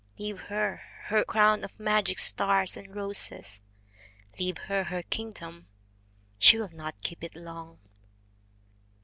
. Leave her her crown of magic stars and roses, Leave her her kingdom—she will not keep it long!